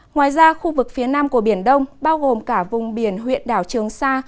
ngoài ra khu vực phía nam của biển đông bao gồm cả vùng biển huyện đảo trường sa